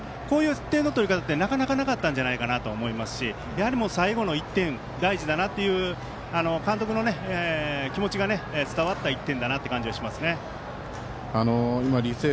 こういう点の取り方ってなかなか、なかったんじゃないかなと思いますしやはり、最後の１点大事なだっていう監督の気持ちが伝わった１点だなっていう気がしますね。